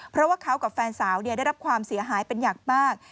เพราะว่าเขากับแฟนสาวได้รับความเสียหายเป็นอย่างมาก